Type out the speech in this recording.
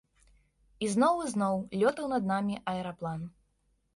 Ізноў і ізноў лётаў над намі аэраплан.